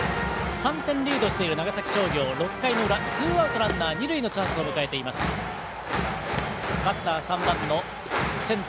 ３点リードしている長崎商業６回の裏、ツーアウトランナー、二塁のチャンス。